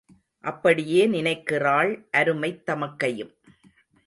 அப்படியே நினைக்கிறாள் அருமைத் தமக்கையும்.